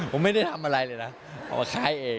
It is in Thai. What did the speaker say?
ผมไม่ได้ทำอะไรเลยนะออกซ้ายเอง